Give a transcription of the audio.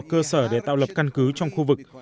cơ sở để tạo lập căn cứ trong khu vực